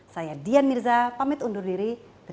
saya dian mirza pamit undur diri